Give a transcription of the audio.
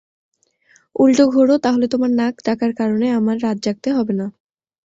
উলটো ঘোরো, তাহলে তোমার নাক ডাকার কারণে আমার রাত জাগতে হবে না।